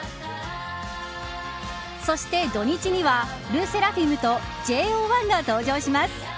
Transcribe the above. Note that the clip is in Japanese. そして土日にはＬＥＳＳＥＲＡＦＩＭとＪＯ１が登場します。